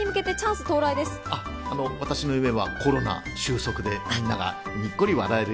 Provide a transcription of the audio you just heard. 私の夢はコロナ収束でみんながにっこり笑える